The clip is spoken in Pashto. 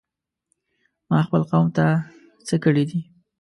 ما خپل قوم ته څه کړي دي؟!